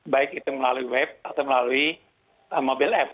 baik itu melalui web atau melalui mobil app